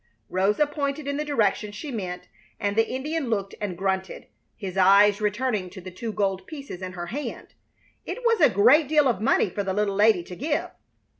Rosa pointed in the direction she meant, and the Indian looked and grunted, his eyes returning to the two gold pieces in her hand. It was a great deal of money for the little lady to give.